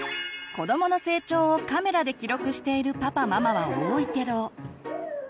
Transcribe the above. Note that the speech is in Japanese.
子どもの成長をカメラで記録しているパパママは多いけど。